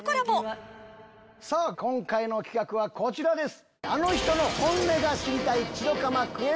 今回の企画はこちらです。